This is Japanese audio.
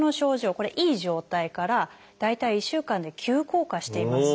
これいい状態から大体１週間で急降下していますね。